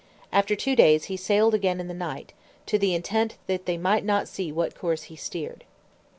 After two days, he sailed again in the night, to the intent they might not see what course he steered.